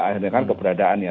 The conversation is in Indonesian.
akhirnya kan keberadaannya